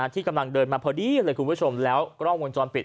ที่กำลังเดินมาพอดีเลยคุณผู้ชมแล้วกล้องวงจรปิด